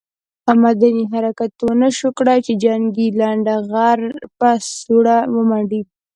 مدني حرکت ونه شو کړای چې جنګي لنډه غر په سوړه ومنډي.